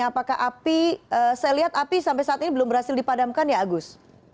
apakah api saya lihat api sampai saat ini belum berhasil dipadamkan ya agus